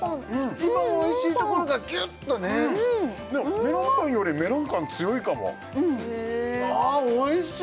一番おいしいところがギュッとねでもメロンパンよりメロン感強いかもああおいしい！